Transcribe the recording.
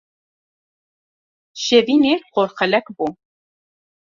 Şevînê porxelek bû.